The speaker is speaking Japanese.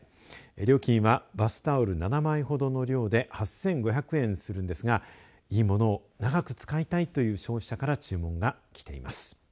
料金はバスタオル７枚ほどの量で８５００円するんですがいいものを長く使いたいという消費者から注文が来ています。